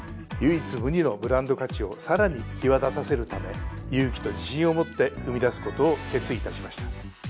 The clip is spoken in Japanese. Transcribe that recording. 唯一無二のブランド価値をさらに際立たせるため勇気と自信を持って踏み出すことを決意いたしました。